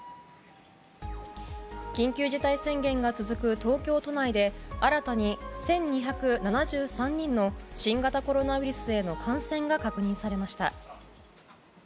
緊急事態宣言が続く東京都内で新たに１２７３人の新型コロナウイルスへの感染が確認されました。